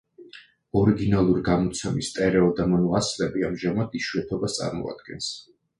ორიგინალური გამოცემის სტერეო და მონო ასლები ამჟამად იშვიათობას წარმოადგენს.